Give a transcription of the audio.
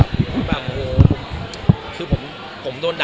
แบบโห